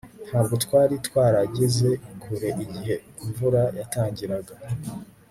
Ntabwo twari twarageze kure igihe imvura yatangiraga